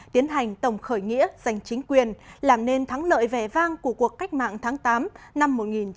tiến hành tổng khởi nghĩa giành chính quyền làm nên thắng lợi vẻ vang của cuộc cách mạng tháng tám năm một nghìn chín trăm bốn mươi năm